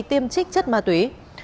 tiêm trích chất ma túy